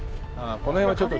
この辺はちょっと。